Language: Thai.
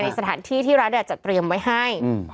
สถานที่ที่รัฐจัดเตรียมไว้ให้